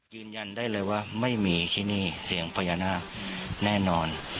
ยืนยันได้เลยว่าไม่มีที่นี่เสียงพญานาคแน่นอน